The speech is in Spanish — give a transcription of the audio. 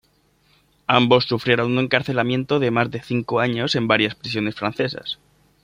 Ambos sufrieron un encarcelamiento de más de cinco años en varias prisiones francesas.